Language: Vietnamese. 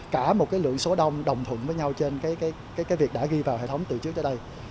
cả một cái lượng số đông đồng thuận với nhau trên việc đã ghi vào hệ thống từ trước tới đây